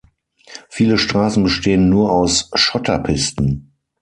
Viele Straßen bestehen nur aus Schotterpisten.